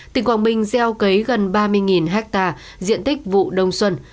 tỉnh quảng bình gieo cấy gần ba mươi ha diện tích vụ đông xuân